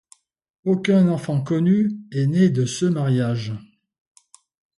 Aucun enfant connu n'est né de ce mariage.